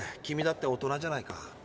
君だって大人じゃないか。